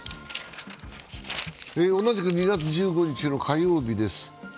同じく２月１５日の火曜日です